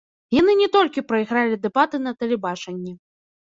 Яны не толькі прайгралі дэбаты на тэлебачанні.